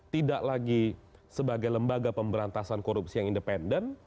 tidak lagi sebagai lembaga pemberantasan korupsi yang independen